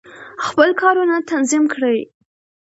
خپل کارونه تنظیم کړئ.